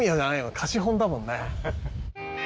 貸本だもんね。